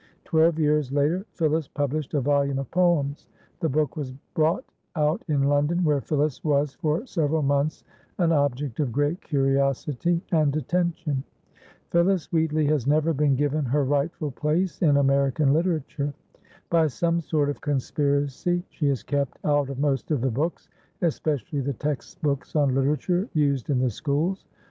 Twelve years later Phillis published a volume of poems. The book was brought out in London, where Phillis was for several months an object of great curiosity and attention. Phillis Wheatley has never been given her rightful place in American literature. By some sort of conspiracy she is kept out of most of the books, especially the text books on literature used in the schools.